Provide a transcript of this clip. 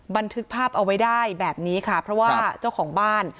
บันทึกภาพเอาไว้ได้แบบนี้ค่ะเพราะว่าเจ้าของบ้าน